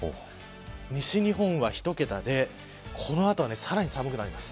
西日本は１桁でこの後は、さらに寒くなります。